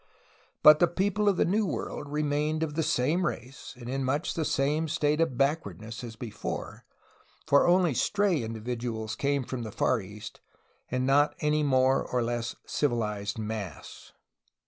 But the people of the New World re mained of the same race, and in much the same state of back wardness as before, for only stray individuals came from the Far East, and not any more or less civilized mass.